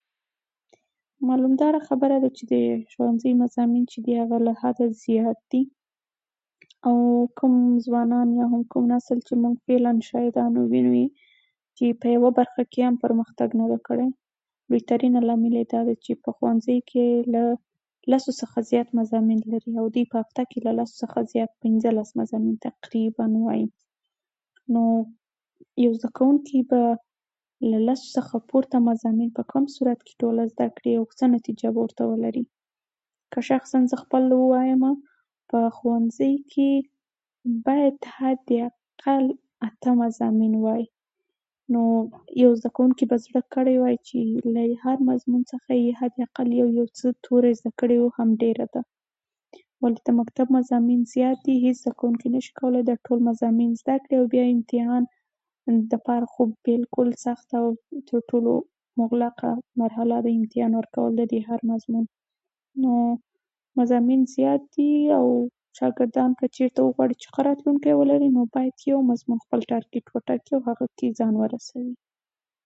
هغه څوک زموږ استازيتوب نشي کولی چې فاسد وي